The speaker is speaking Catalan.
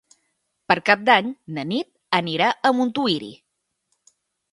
Per Cap d'Any na Nit anirà a Montuïri.